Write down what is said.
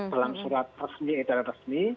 dalam surat resmi edaran resmi